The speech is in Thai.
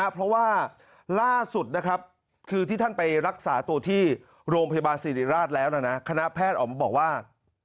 เพราะว่าล่าสุดนะครับคือที่ท่านไปรักษาตัวที่โรงพยาบาลสิริราชแล้วนะคณะแพทย์ออกมาบอกว่า